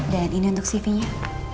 dan ini untuk cv nya